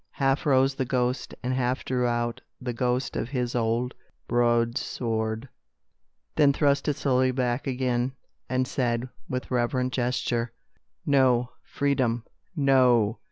Half rose the ghost, and half drew out The ghost of his old broadsword, Then thrust it slowly back again, And said, with reverent gesture, "No, Freedom, no!